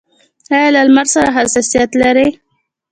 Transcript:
ایا له لمر سره حساسیت لرئ؟